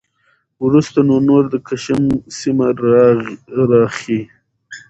وروسته نو نور د کشم سیمه راخي